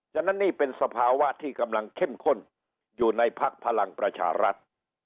ฉะนั้นนี่เป็นสภาวะที่กำลังเข้มข้นอยู่ในพักพลังประชารัฐ